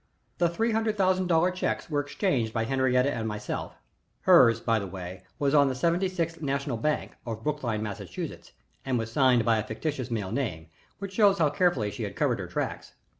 The three hundred thousand dollar checks were exchanged by Henriette and myself hers, by the way, was on the Seventy Sixth National Bank, of Brookline, Massachusetts, and was signed by a fictitious male name, which shows how carefully she had covered her tracks.